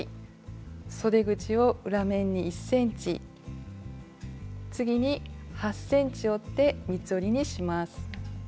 そで口を裏面に１ｃｍ次に８ｃｍ折って三つ折りにします。